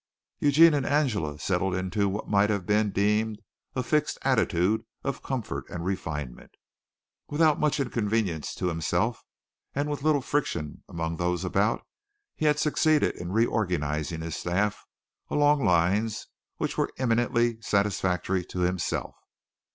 Eugene and Angela settled into what might have been deemed a fixed attitude of comfort and refinement. Without much inconvenience to himself and with little friction among those about, he had succeeded in reorganizing his staff along lines which were eminently satisfactory to himself.